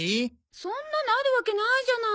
そんなのあるわけないじゃない。